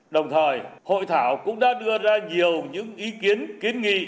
đồng thời hội thảo cũng đã đưa ra nhiều những ý kiến kiến nghị